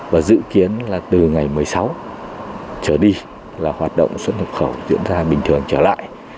và dự kiến là từ ngày một mươi sáu trở đi là hoạt động xuất nhập khẩu diễn ra bình thường trở lại